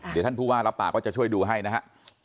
เดี๋ยวท่านผู้ว่ารับปากว่าจะช่วยดูให้นะครับ